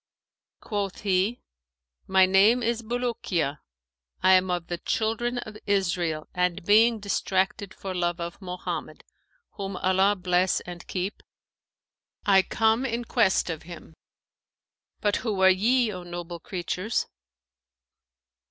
Quoth he, 'My name is Bulukiya; I am of the Children of Israel and, being distracted for love of Mohammed (whom Allah bless and keep!), I come in quest of him. But who are ye, O noble creatures?'